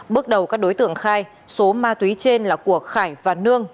bước đầu các đối tượng khai số ma túy trên là của khải và nương